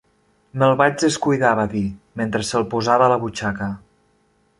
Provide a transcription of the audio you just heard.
"Me'l vaig descuidar", va dir, mentre se'l posava a la butxaca.